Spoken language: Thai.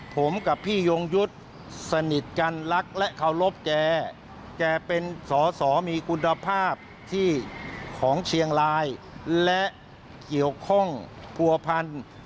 ผมกับพี่ยงยุทธ์สนิทกันรักและเคารพแกแกเป็นสอสอมีคุณภาพที่ของเชียงรายและเกี่ยวข้องผัวพัน